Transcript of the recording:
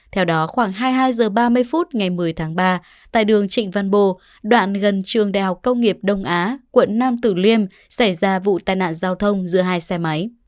theo đó khoảng hai mươi hai h ba mươi phút ngày một mươi tháng ba tại đường trịnh văn bô đoạn gần trường đèo công nghiệp đông á quận năm tứ liêm xảy ra vụ tai nạn giao thông giữa hai xe máy